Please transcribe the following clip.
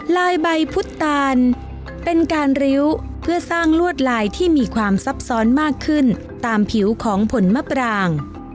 ลายใบพุทธตาลเป็นการริ้วเพื่อสร้างลวดลายที่มีความซับซ้อนมากขึ้นตามผิวของผลมะปราง